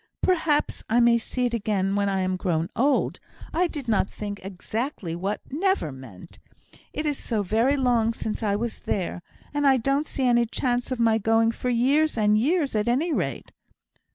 "Perhaps I may see it again when I am grown old; I did not think exactly what 'never' meant; it is so very long since I was there, and I don't see any chance of my going for years and years, at any rate."